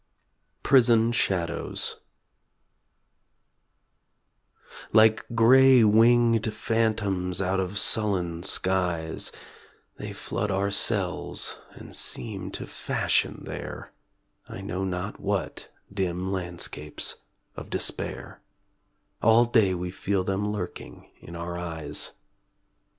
PRISON SHADOWS Like grey winged phantoms out of sullen skies They flood our cells and seem to fashion there I know not what dim landscapes of despair; All day we feel them lurking in our eyes.